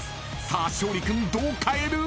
［さあ勝利君どうかえる？］